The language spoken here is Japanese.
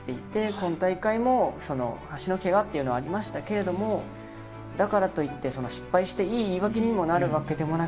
今大会も足のケガっていうのはありましたけれどもだからといって失敗していい言い訳にもなるわけでもなく。